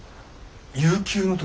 悠久の時？